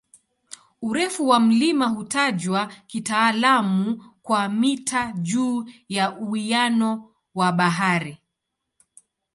Urefu wa mlima hutajwa kitaalamu kwa "mita juu ya uwiano wa bahari".